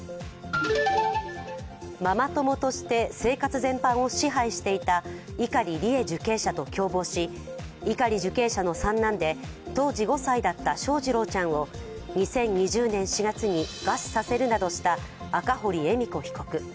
ママ友として生活全般を支配していた碇利恵受刑者と共謀し碇受刑者の三男で当時５歳だった翔士郎ちゃんを２０２０年４月に餓死させるなどした赤堀恵美子被告。